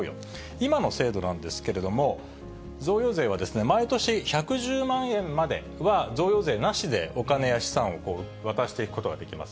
今の制度なんですけれども、贈与税は毎年、１１０万円までは贈与税なしで、お金や資産を渡していくことができます。